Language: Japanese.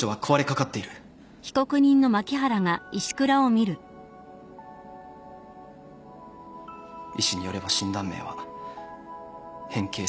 医師によれば診断名は変形性股関節症。